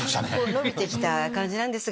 延びてきた感じなんですが。